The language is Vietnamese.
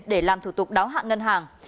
để làm thủ tục đáo hạn ngân hàng